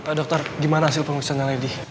pak dokter gimana hasil pemeriksaannya lady